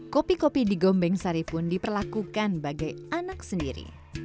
kopi kopi di gombeng sari pun diperlakukan bagai anak sendiri